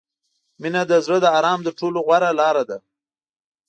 • مینه د زړه د آرام تر ټولو غوره لاره ده.